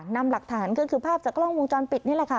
นำหลักฐานก็คือภาพจากกล้องวงจรปิดนี่แหละค่ะ